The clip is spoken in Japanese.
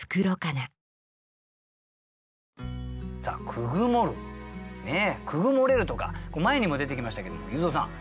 「くぐもる」「くぐもれる」とか前にも出てきましたけども裕三さん